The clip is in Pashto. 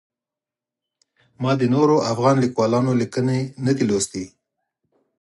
ما د نورو افغان لیکوالانو لیکنې نه دي لوستلي.